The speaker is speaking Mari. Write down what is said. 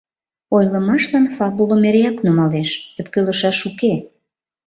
Ойлымашлан фабулым эреак нумалеш, ӧпкелышаш уке.